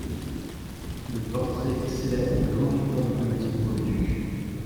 Le portrait célèbre une grande victoire diplomatique pour le duc.